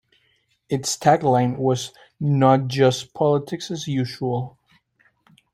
Its tagline was "Not Just Politics as Usual".